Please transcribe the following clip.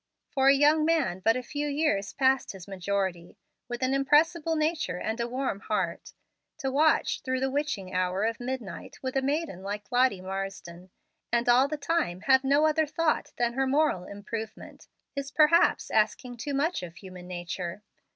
For a young man but a few years past his majority, with an impressible nature and a warm heart, to watch through the witching hour of midnight with a maiden like Lottie Marsden, and all the time have no other thought than her moral improvement, is perhaps asking too much of human nature.